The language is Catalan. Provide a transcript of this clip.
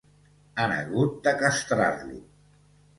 Han hagut de castrar-lo.